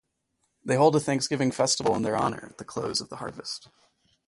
They hold a thanksgiving festival in their honor at the close of the harvest.